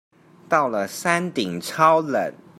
到了山頂超冷